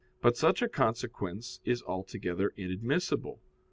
But such a consequence is altogether inadmissible.